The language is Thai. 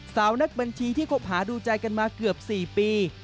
สาวนักบัญชีที่คบหาดูใจกันมาเกือบ๔ปี